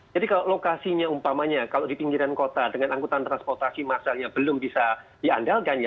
jadi kalau lokasinya umpamanya kalau di pinggiran kota dengan angkutan transportasi masalnya belum bisa diandalkan ya